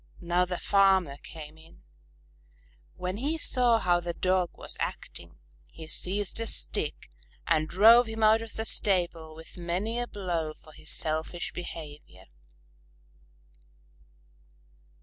Now the farmer came in. When he saw how the Dog was acting, he seized a stick and drove him out of the stable with many a blow for his selfish behavior.